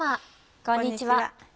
こんにちは。